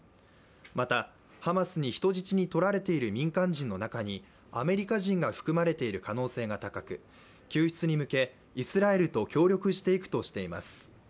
またハマスに人質に取られている民間人の中にアメリカ人が含まれている可能性が高く、救出に向けイスラエルと協力していくとしています。